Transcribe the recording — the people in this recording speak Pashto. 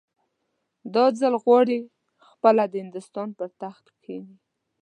دا ځل غواړي پخپله د هندوستان پر تخت کښېني.